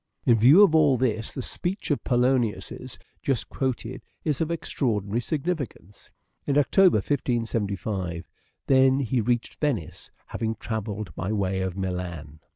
In view of all this the speech of Polonius's just quoted is of extraordinary significance. In October 1575, then, he reached Venice, having travelled by way of Milan.